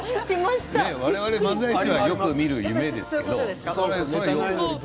我々漫才師はよくみる夢ですよ。